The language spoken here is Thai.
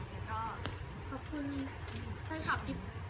และก็ขอบคุณเพื่อนกับกิฟต์